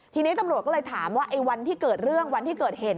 ทีนี้ตำรวจก็เลยถามว่าไอ้วันที่เกิดเรื่องวันที่เกิดเหตุ